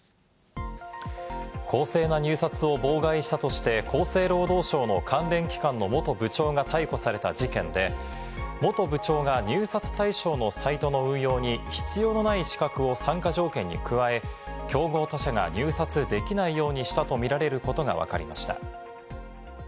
公正な入札を妨害したとして厚生労働省の関連機関の元部長が逮捕された事件で、元部長が入札対象のサイトの運用に必要のない資格を参加条件に加え、競合他社が入札できないようにしたとみられることがわかりました。